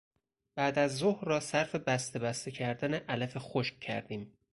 بعدازظهر را صرف بستهبسته کردن علف خشک کردیم.